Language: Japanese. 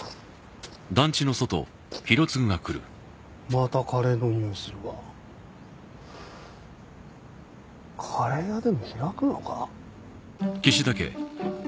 またカレーの匂いするわカレー屋でも開くのか？